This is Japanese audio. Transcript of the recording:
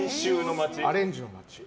アレンジの街。